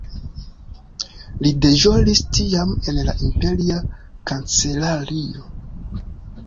Li deĵoris tiam en la imperia kancelario.